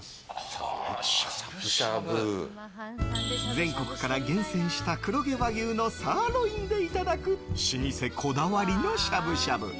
全国から厳選した黒毛和牛のサーロインでいただく老舗こだわりのしゃぶしゃぶ。